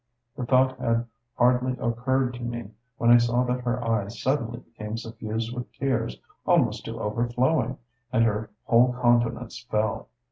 The thought had hardly occurred to me when I saw that her eyes suddenly became suffused with tears almost to overflowing, and her whole countenance fell.